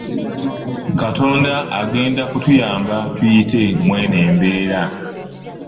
Katonda agenda kutuyamba tuyite mweno embeera.